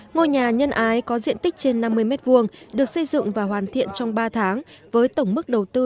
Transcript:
ngôi nhà nhân ái có diện tích trên năm mươi m hai được xây dựng và hoàn thiện trong ba tháng với tổng mức đầu tư